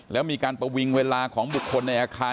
แล้วมีการประวิงเวลาของบุคคลในอาคาร